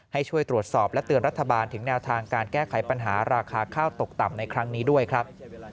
ให้ช่วยตรวจสอบและเตือนรัฐบาลถึงแนวทางการแก้ไขปัญหาราคาข้าวตกต่ำในครั้งนี้ด้วยครับ